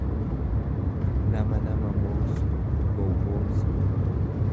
nama nama mooksu, gowwoomsu.